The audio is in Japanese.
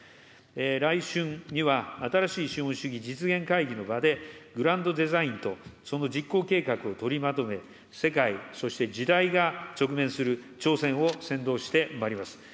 来春には新しい資本主義実現会議の場で、グランドデザインとその実行計画を取りまとめ、世界、そして時代が直面する挑戦を先導してまいります。